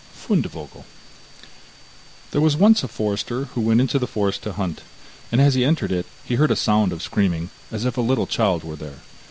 FUNDEVOGEL There was once a forester who went into the forest to hunt, and as he entered it he heard a sound of screaming as if a little child were there.